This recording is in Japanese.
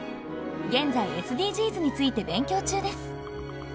現在ＳＤＧｓについて勉強中です。